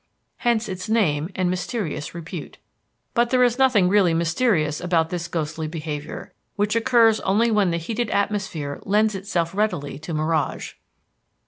Hence its name and mysterious repute. But there is nothing really mysterious about this ghostly behavior, which occurs only when the heated atmosphere lends itself readily to mirage.